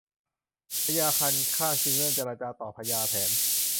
พญาคันคากจึงเริ่มเจรจาต่อพญาแถน